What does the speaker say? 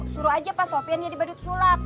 suruh aja pak sopian jadi badut sulap